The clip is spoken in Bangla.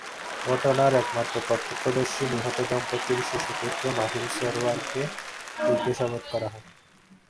ঘটনার একমাত্র প্রত্যক্ষদর্শী নিহত দম্পতির শিশুপুত্র মাহীর সরওয়ারকে জিজ্ঞাসাবাদ করা হয়।